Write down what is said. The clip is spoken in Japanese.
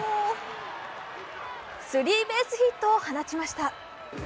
スリーベースヒットを放ちました。